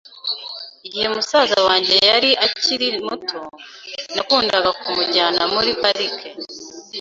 Igihe musaza wanjye yari akiri muto, nakundaga kumujyana muri parike.